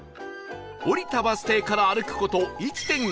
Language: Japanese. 降りたバス停から歩く事 １．８ キロ